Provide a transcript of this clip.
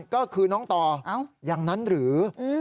ก็คือน้องต่ออย่างนั้นหรือ